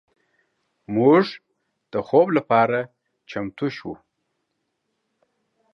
موږ د خوب لپاره چمتو شو.